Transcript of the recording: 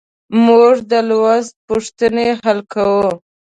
موږ د لوست پوښتنې حل کوو.